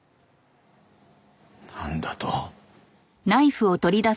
なんだと？